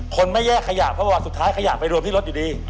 คนไม่แยกขยะเพราะว่าสุดท้ายขยะไปรวมที่รถอยู่ดี